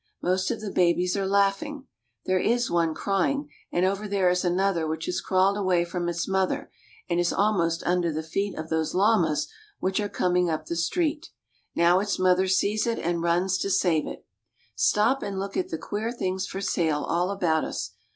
Most of the babies are laughing. There is one crying, and over there is another which has crawled away from its mother and is almost under "The Indian porters carry our boxes.' the feet of those llamas which are coming up the street. Now its mother sees it and runs to save it. Stop and look at the queer things for sale all about us.